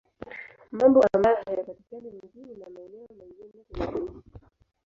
Mambo ambayo hayapatikani mjini na maeneo mengine tunakoishi